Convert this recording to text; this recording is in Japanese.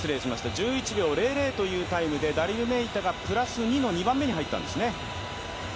１１秒００というタイムでダリル・ネイタがプラス２の２番目に入ったんですね。